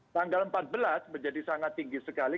tanggal empat belas menjadi sangat tinggi sekali